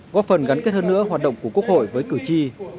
góp phần gắn kết hơn nữa hoạt động của quốc hội với cử tri